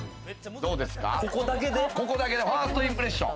ここだけで、ファーストインプレッション。